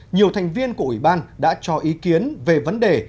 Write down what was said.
nhiều thành viên của ủy ban đã cho ý kiến về vấn đề